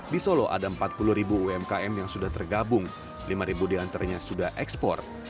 di solo ada empat puluh ribu umkm yang sudah tergabung lima ribu diantaranya sudah ekspor